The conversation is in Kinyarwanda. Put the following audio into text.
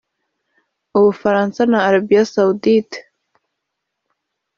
Ubufaransa na Arabia Saudite